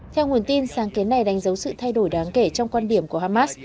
theo nguồn tin sáng kiến này đánh dấu sự thay đổi đáng kể trong quan điểm của hamas